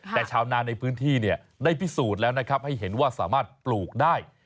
แต่ชาวนาในพื้นที่ได้พิสูจน์แล้วนะครับให้เห็นว่าสามารถปลูกได้